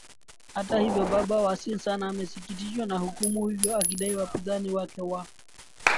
hata hivyo baba wa sinsan amesikitishwa na hukumu hiyo akidai wapinzani wake wa